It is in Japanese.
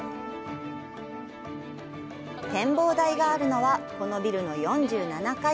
展望台があるのは、このビルの４７階。